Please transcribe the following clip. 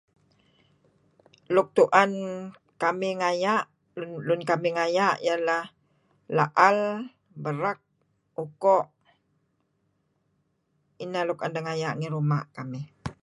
Luk tu'en kamih ngaya' lun tu'en lun kamih ngaya' ialah la'al, berek, oko' ineh luk 'an deh ngaya' ngi ruma'.